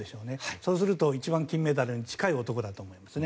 そうすると一番金メダルに近い男だと思いますね。